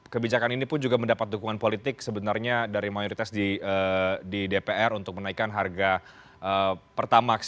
kebijakan ini pun juga mendapat dukungan politik sebenarnya dari mayoritas di dpr untuk menaikkan harga pertamax